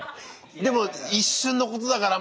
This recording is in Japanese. でも一瞬のことだから